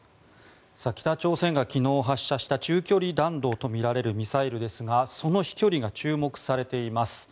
北朝鮮が昨日、発射した中距離弾道とみられるミサイルですがその飛距離が注目されています。